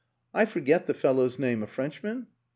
I forget the fellow's name a Frenchman?